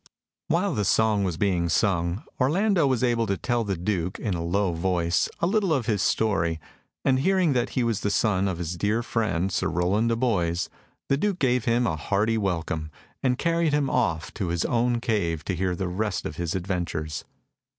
While the song was being sung, Orlando was able to tell the Duke, in a low voice, a little of his story, and hearing that he was the son of his dear friend, Sir Rowland de Boys, the Duke gave him a hearty welcome, and carried him off to his own cave to hear the rest of his adventures.